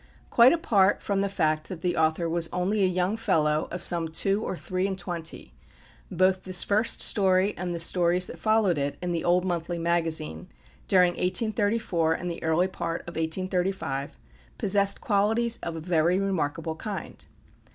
Quite apart from the fact that the author was only a young fellow of some two or three and twenty, both this first story and the stories that followed it in The Old Monthly Magazine, during 1834 and the early part of 1835, possessed qualities of a very remarkable kind.